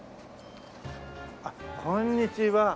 あっこんにちは。